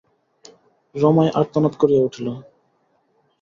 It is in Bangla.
রমাই আর্তনাদ করিয়া উঠিল।